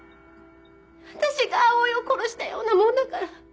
私が葵を殺したようなもんだから。